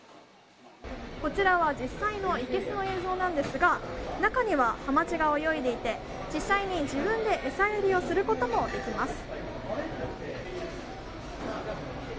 こちらは実際のいけすの映像ですが中にはハマチが泳いでいて実際に自分で餌やりをすることもできます。